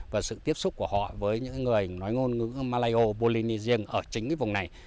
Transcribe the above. và sự tiếp xúc của họ với những người nói ngôn ngữ malayo polynesian ở chính vùng này